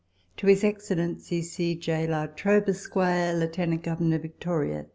To His Excellency C. J. La Trobe, Esq., Lieutentint Governor, Victoria.